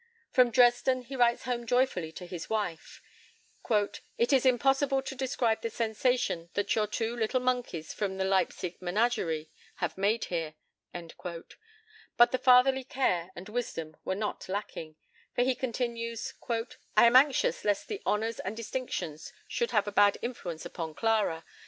From Dresden he writes home joyfully to his wife: "It is impossible to describe the sensation that your two little monkeys from the Leipsic menagerie have made here." But the fatherly care and wisdom were not lacking, for he continues: "I am anxious lest the honours and distinctions should have a bad influence upon Clara.